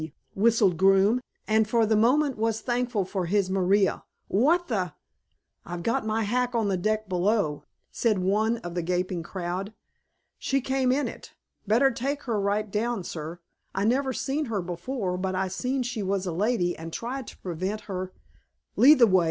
whistled Groome, and for the moment was thankful for his Maria. "What the " "I've got my hack on the deck below," said one of the gaping crowd. "She came in it. Better take her right down, sir. I never seen her before but I seen she was a lady and tried to prevent her " "Lead the way....